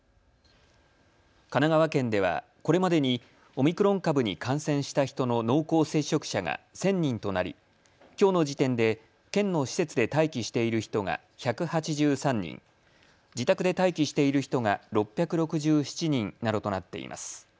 神奈川県では、これまでにオミクロン株に感染した人の濃厚接触者が１０００人となり、きょうの時点で県の施設で待機している人が１８３人、自宅で待機している人が６６７人などとなっています。